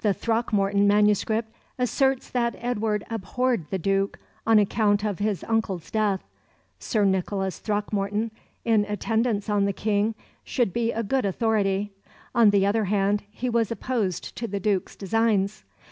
The Throckmorton MS. asserts that Edward abhorred the Duke on account of his uncle's death. Sir Nicholas Throckmorton, in attendance on the King, should be a good authority; on the other hand, he was opposed to the Duke's designs.